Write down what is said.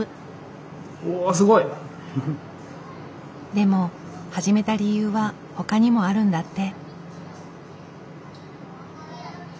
でも始めた理由はほかにもあるんだって。